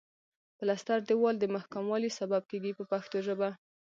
پلستر دېوال د محکموالي سبب کیږي په پښتو ژبه.